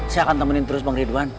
saya akan temenin terus bang ridwan